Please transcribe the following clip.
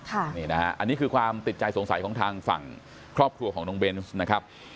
อันนี้นะฮะอันนี้คือความติดใจสงสัยของทางฝั่งครอบครัวของน้องเบนส์นะครับ